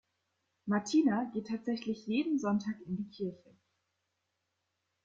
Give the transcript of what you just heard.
Martina geht tatsächlich jeden Sonntag in die Kirche.